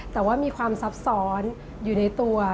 แต่ว่ามีความซับซ้อนอยู่ในตัว